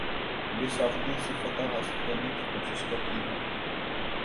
بے ساختگی سے فتح حاصل کرنے کی کوشش کرتی ہیں